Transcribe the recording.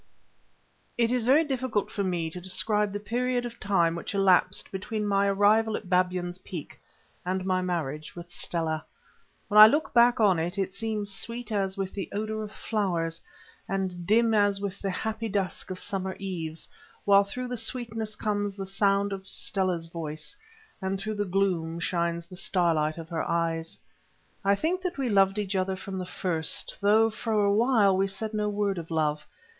It is very difficult for me to describe the period of time which elapsed between my arrival at Babyan's Peak and my marriage with Stella. When I look back on it, it seems sweet as with the odour of flowers, and dim as with the happy dusk of summer eves, while through the sweetness comes the sound of Stella's voice, and through the gloom shines the starlight of her eyes. I think that we loved each other from the first, though for a while we said no word of love.